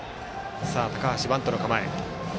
高橋、バントの構え。